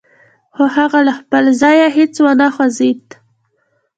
خو هغه له خپل ځايه هېڅ و نه خوځېده.